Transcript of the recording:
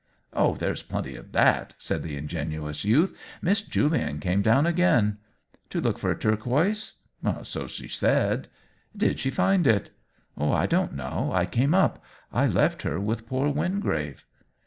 " Oh, there's plenty of that !" said the in genuous youth. " Miss Julian came down again." " To look for a turquoise ?"" So she said." " Did she find it ?"" I don't know. I came up. I left her with poor Wingrave."